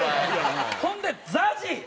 ほんでＺＡＺＹ。